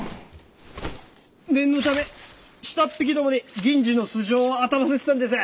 念のため下っ引きどもに銀次の素性を当たらせてたんです。